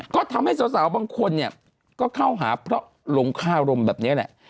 ก็ทำให้สาวบางคนเนี่ยก็เข้าหาเพราะหลงคารมแบบนี้แหละ